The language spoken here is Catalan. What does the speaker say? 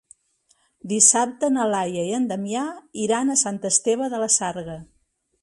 Dissabte na Laia i en Damià iran a Sant Esteve de la Sarga.